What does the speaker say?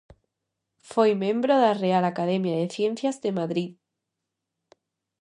Foi membro da Real Academia de Ciencias de Madrid.